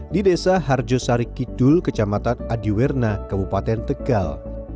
di desa harjo sari kidul kecamatan adiwerna kabupaten tegal